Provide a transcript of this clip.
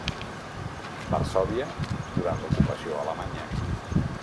Varsòvia, durant l'ocupació alemanya.